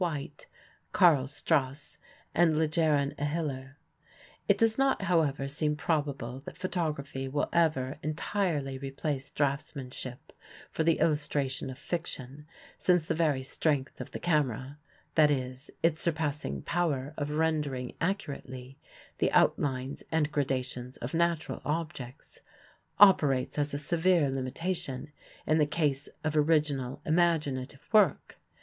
White, Karl Struss, and Lejaren à Hiller. It does not, however, seem probable that photography will ever entirely replace draughtsmanship for the illustration of fiction, since the very strength of the camera, that is, its surpassing power of rendering accurately the outlines and gradations of natural objects, operates as a severe limitation in the case of original, imaginative work.